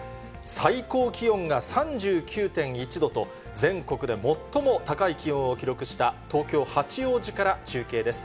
最高気温が３９．１度と、全国で最も高い気温を記録した東京・八王子から中継です。